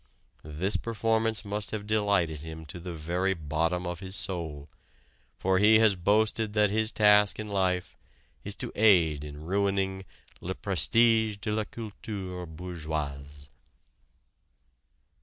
This performance must have delighted him to the very bottom of his soul, for he has boasted that his task in life is to aid in ruining "le prestige de la culture bourgeoise."